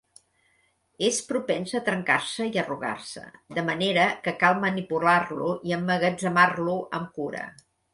És propens a trencar-se i arrugar-se, de manera que cal manipular-lo i emmagatzemar-lo amb cura.